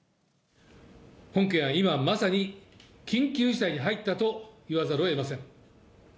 本県は今まさに緊急事態に入ったと言わざるをえません。